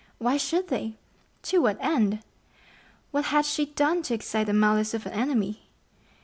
Why should they? To what end? What had she done to excite the malice of an enemy?